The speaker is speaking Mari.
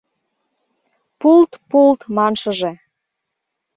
Пулт-пулт маншыже.